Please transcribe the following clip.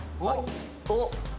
おっ！